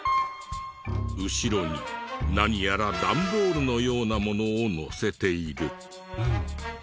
後ろに何やら段ボールのようなものを載せている。